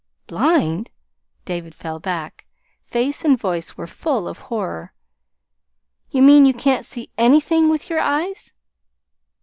"Blind!" David fell back. Face and voice were full of horror. "You mean you can't see anything, with your eyes?"